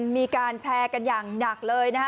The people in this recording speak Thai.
มีการแชร์กันอย่างหนักเลยนะฮะ